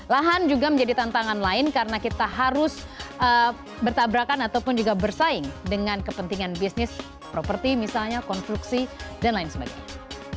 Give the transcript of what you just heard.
lahan juga menjadi tantangan lain karena kita harus bertabrakan ataupun juga bersaing dengan kepentingan bisnis properti misalnya konstruksi dan lain sebagainya